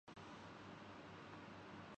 صبح صبح جب میں چوک سے گزرتا